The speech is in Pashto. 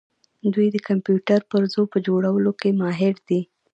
دوی د کمپیوټر پرزو په جوړولو کې ماهر دي.